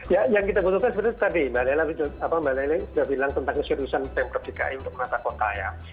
ya yang kita butuhkan seperti tadi mbak lely sudah bilang tentang keseriusan pemperdikai untuk mata kota ya